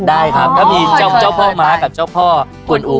ได้ครับถ้ามีเจ้าพ่อม้ากับเจ้าพ่อกวนอู